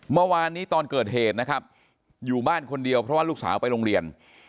เมื่อวานนี้ตอนเกิดเหตุนะครับอยู่บ้านคนเดียวเพราะว่าลูกสาวไปโรงเรียน